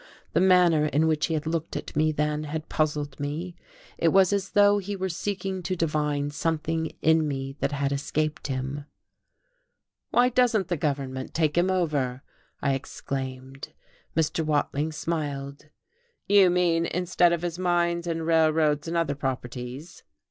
The manner in which he had looked at me then had puzzled me; it was as though he were seeking to divine something in me that had escaped him. "Why doesn't the government take him over?" I exclaimed. Mr. Watling smiled. "You mean, instead of his mines and railroads and other properties?"